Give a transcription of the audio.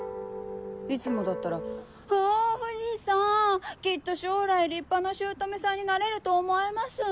いつもだったら「う！藤さんきっと将来立派な姑さんになれると思いますぅ！